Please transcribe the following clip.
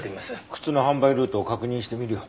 靴の販売ルートを確認してみるよ。